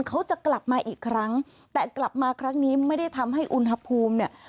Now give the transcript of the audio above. เขาจะกลับมาอีกครั้งแต่กลับมาครั้งนี้ไม่ได้ทำให้อุณหภูมิเนี่ย